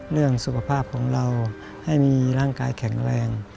เรื่องสุขภาพของเราให้มีร่างกายแข็งแรง